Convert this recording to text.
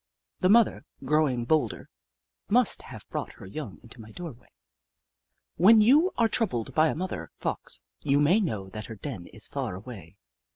The mother, growing bolder, must have brought her young into my dooryard. When you are troubled by a mother Fox, you may know that her den is far away.